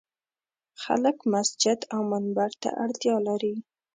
خلک مسجد او منبر ته اړتیا لري.